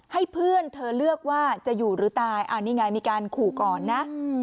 ให้เพื่อนเธอเลือกว่าจะอยู่หรือตายอันนี้ไงมีการขู่ก่อนนะ